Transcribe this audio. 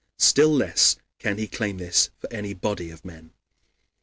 Still less can he claim this for any body of men.